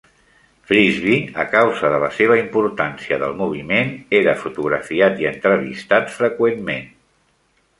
Frisbee, a causa de la seva importància del moviment, era fotografiat i entrevistat freqüentment.